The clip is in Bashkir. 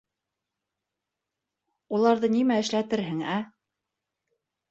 Уларҙы нимә эшләтерһең, ә?!